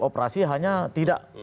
operasi hanya tidak